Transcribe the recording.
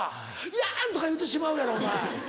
「いやん！」とか言うてしまうやろお前。